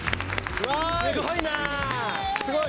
すごーい。